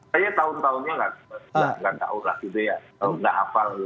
saya tahun tahunnya nggak tahu lah gitu ya